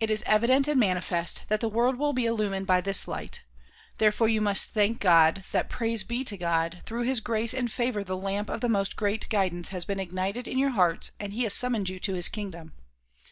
It is evident and manifest that the world will be illumined by this light ; therefore you must thank God that — Praise be to God! — through his grace and favor the lamp of the most great guidance has been ignited in your hearts and he has summoned you to his kingdom.